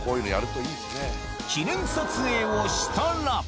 記念撮影をしたら。